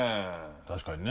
確かにね。